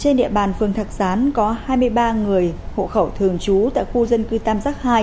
trên địa bàn phường thạc sán có hai mươi ba người hộ khẩu thường trú tại khu dân cư tam giác hai